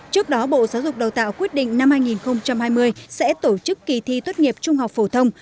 trước đó bộ giáo dục đào tạo quyết định năm hai nghìn hai mươi sẽ tổ chức kỳ thi tốt nghiệp trung học phổ thông